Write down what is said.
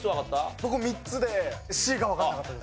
僕も３つでＣがわからなかったです。